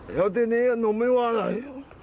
แล้วทีนี้หนูไม่ว่าอะไร